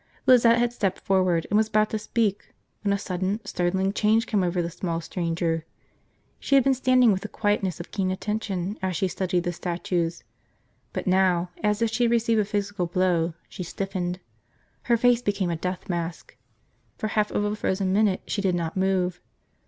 Lizette had stepped forward and was about to speak when a sudden, startling change came over the small stranger. She had been standing with the quietness of keen attention as she studied the statues; but now, as if she had received a physical blow, she stiffened. Her face became a death mask. For half of a frozen minute she did not move.